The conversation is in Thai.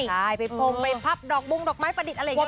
ใช่ไปพงไปพับดอกบุงดอกไม้ประดิษฐ์อะไรอย่างนี้